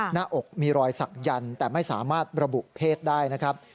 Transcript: หน้าอกมีรอยสักยันต์แต่ไม่สามารถระบุเพศได้นะครับ